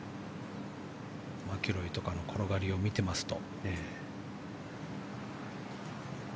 マキロイとかの転がりを見てますと。